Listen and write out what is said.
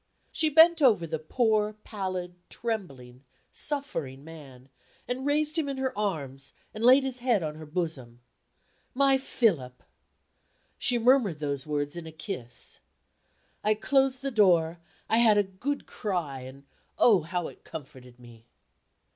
She bent over the poor, pallid, trembling, suffering man, and raised him in her arms, and laid his head on her bosom. "My Philip!" She murmured those words in a kiss. I closed the door, I had a good cry; and, oh, how it comforted me!